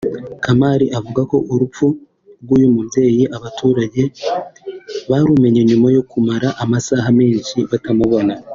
Kamali avuga ko urupfu rw’uyu mubyeyi abaturage barumenye nyuma yo kumara amasaha menshi batamubona